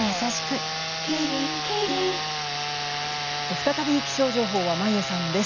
再び気象情報は眞家さんです。